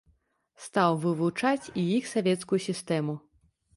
Стаў вывучаць іх і савецкую сістэму.